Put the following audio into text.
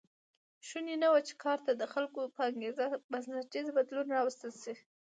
شونې نه وه چې کار ته د خلکو په انګېزه بنسټیز بدلون راوستل شي